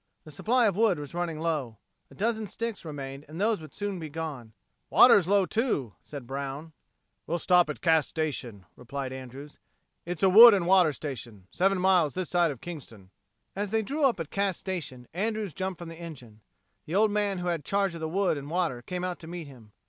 The supply of wood was running low. A dozen sticks remained and those would soon be gone. "Water's low, too," said Brown. "We'll stop at Cass Station," replied Andrews. "It's a wood and water station seven miles this side of Kingston." As they drew up at Cass Station Andrews jumped from the engine. The old man who had charge of the wood and water came out to meet him.